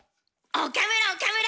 岡村岡村！